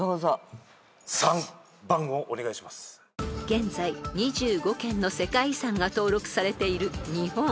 ［現在２５件の世界遺産が登録されている日本］